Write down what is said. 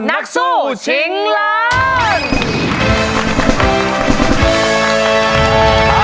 นักสู้ชิงล้าน